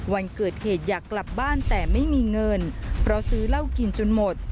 วันเกิดเหตุอยากกลับบ้านแต่ไม่มีเงินเพราะซื้อเหล้ากินจนหมด